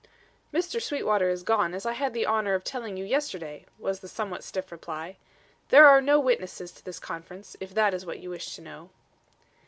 "Mr. Sweetwater is gone, as I had the honour of telling you yesterday," was the somewhat stiff reply. "There are no witnesses to this conference, if that is what you wish to know."